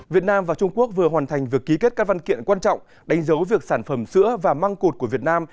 việt nam và trung quốc vừa hoàn thành việc ký kết các văn kiện quan trọng đánh dấu việc sản phẩm sữa và măng cột của việt nam